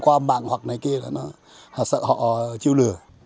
qua mạng hoặc này kia là họ sợ họ chịu lừa